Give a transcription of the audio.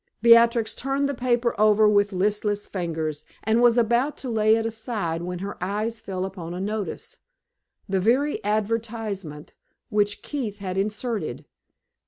Beatrix turned the paper over with listless fingers, and was about to lay it aside when her eyes fell upon a notice the very advertisement which Keith had inserted.